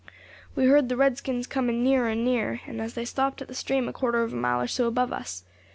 "We heard the redskins coming nearer and nearer, and they stopped at the stream a quarter of a mile or so above us.